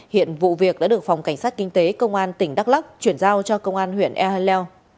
hiện vụ việc đã được phòng cảnh sát kinh tế công an tỉnh đắk lắc chuyển giao cho công an huyện ea leo